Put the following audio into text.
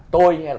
tôi hay là